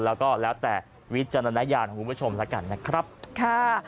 แล้วก็แล้วแต่วิจารณญาณของคุณผู้ชมแล้วกันนะครับค่ะ